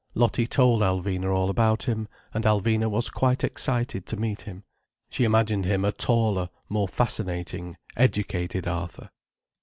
Lottie told Alvina all about him, and Alvina was quite excited to meet him. She imagined him a taller, more fascinating, educated Arthur.